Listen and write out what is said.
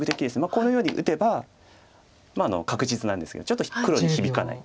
このように打てば確実なんですけどちょっと黒に響かない。